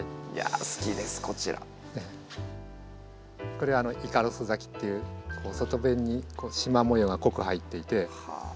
これはイカロス咲きという外弁に縞模様が濃く入っていて。